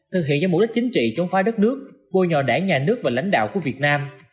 thực hiện do mục đích chính trị chống phái đất nước bôi nhỏ đảng nhà nước và lãnh đạo của việt nam